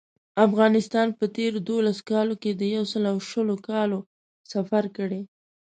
افغانستان په تېرو دولسو کالو کې د یو سل او شلو کالو سفر کړی.